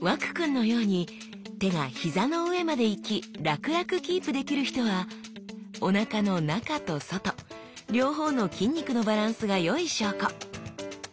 和空くんのように手が膝の上までいき楽々キープできる人はおなかの中と外両方の筋肉のバランスがよい証拠。